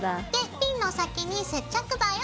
ピンの先に接着剤をつけます。